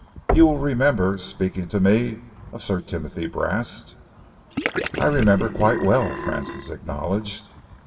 You will remember speaking to me of Sir Timothy Brast?" "I remember quite well," Francis acknowledged.